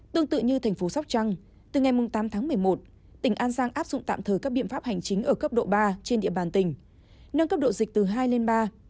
tương tự như thành phố sóc trăng từ ngày tám tháng một mươi một tỉnh an giang áp dụng tạm thời các biện pháp hành chính ở cấp độ ba trên địa bàn tỉnh nâng cấp độ dịch từ hai lên ba